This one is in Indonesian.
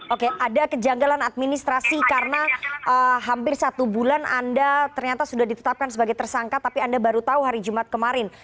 oke ada kejanggalan administrasi karena hampir satu bulan anda ternyata sudah ditetapkan sebagai tersangka tapi anda baru tahu hari jumat kemarin